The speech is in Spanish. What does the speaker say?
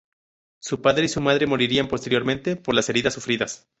Su padre y su madre morirían posteriormente por las heridas sufridas.